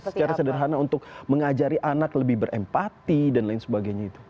secara sederhana untuk mengajari anak lebih berempati dan lain sebagainya itu